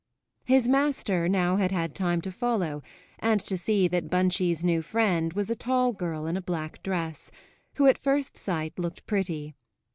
His master now had had time to follow and to see that Bunchie's new friend was a tall girl in a black dress, who at first sight looked pretty.